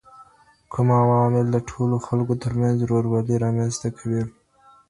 کوم عوامل د ټولو خلګو ترمنځ ورورولۍ رامنځته کوي؟